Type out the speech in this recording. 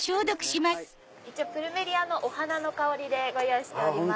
一応プルメリアのお花の香りでご用意しております。